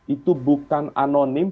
itu bukan anonim